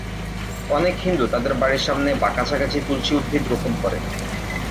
অনেক হিন্দু তাদের বাড়ির সামনে বা কাছাকাছি তুলসী উদ্ভিদ রোপণ করে।